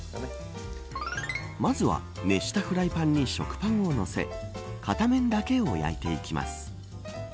まずは、熱したフライパンに食パンをのせ片面だけを焼いていきます。